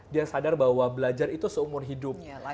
dia sadar bahwa belajar itu seumur hidup